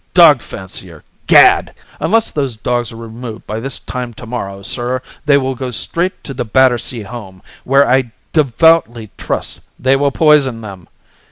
"Dog fancier! Gad! Unless those dogs are removed by this time to morrow, sir, they will go straight to the Battersea Home, where I devoutly trust they will poison them.